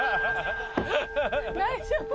大丈夫？